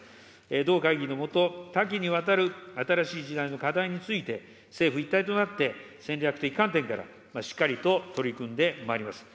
同会議の下、多岐にわたる新しい時代の課題について、政府一体となって、戦略的観点からしっかりと取り組んでまいります。